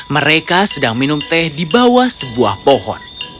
mereka sedang minum teh di bawah sebuah pohon